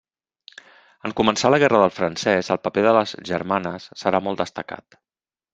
En començar la Guerra del Francès, el paper de les germanes serà molt destacat.